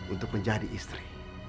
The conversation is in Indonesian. untuk menjadi istri